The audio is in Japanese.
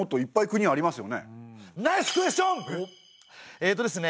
えっとですね